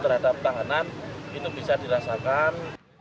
terhadap tahanan itu bisa dirasakan